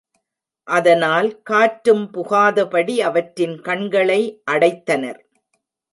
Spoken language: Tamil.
அதனால் காற்றும் புகாதபடி அவற்றின் கண்களை அடைத்தனர்.